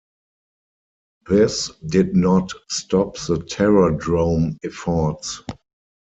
This did not stop the Terror Drome efforts.